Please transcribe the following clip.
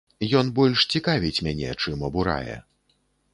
Ён больш цікавіць мяне, чым абурае.